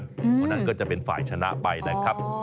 คนนั้นก็จะเป็นฝ่ายชนะไปนะครับ